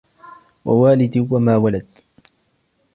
وَوَالِدٍ وَمَا وَلَدَ